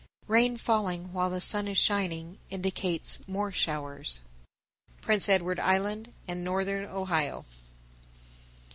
_ 977. Rain falling while the sun is shining indicates more showers. _Prince Edward Island and Northern Ohio.